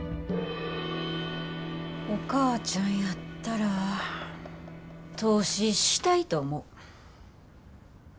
お母ちゃんやったら投資したいと思う。